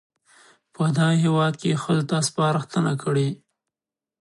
په دغه هېواد کې ښځو ته سپارښتنه کړې